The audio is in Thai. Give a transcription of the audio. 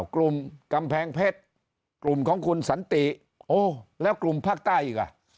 กำแพงเพชรกลุ่มของคุณสันติโอ้แล้วกลุ่มภาคใต้อีกอ่ะ